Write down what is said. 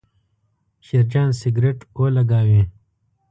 شیرجان سګرېټ ولګاوې.